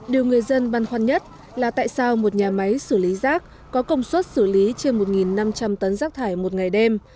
điều người dân băn khoăn nhất là tại sao một nhà máy xử lý rác có công suất xử lý trên một năm trăm linh tấn rác thải một ngày đêm